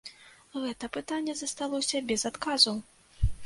Гэта пытанне засталося без адказу!